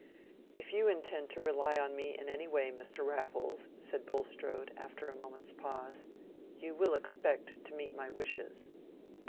"If you intend to rely on me in any way, Mr. Raffles," said Bulstrode, after a moment's pause, "you will expect to meet my wishes."